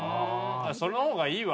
その方がいいわ。